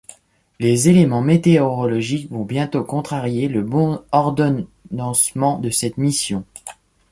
Les éléments météorologiques vont bientôt contrarier le bon ordonnancement de cette mission.